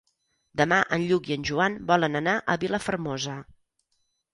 Demà en Lluc i en Joan volen anar a Vilafermosa.